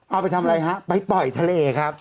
เอาไปทำอะไรฮะไปปล่อยทะเลครับ